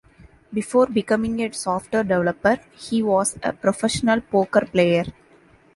Before becoming a software developer, he was a professional poker player.